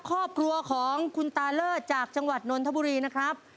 ครอบครัวของคุณตาเลิศจากจังหวัดนนทบุรีนะครับ